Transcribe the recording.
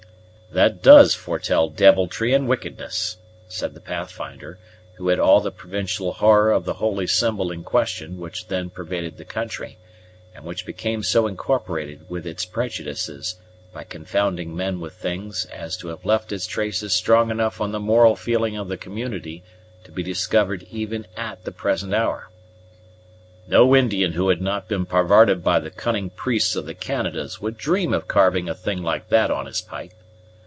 "That does foretell devilry and wickedness," said the Pathfinder, who had all the provincial horror of the holy symbol in question which then pervaded the country, and which became so incorporated with its prejudices, by confounding men with things, as to have left its traces strong enough on the moral feeling of the community to be discovered even at the present hour; "no Indian who had not been parvarted by the cunning priests of the Canadas would dream of carving a thing like that on his pipe.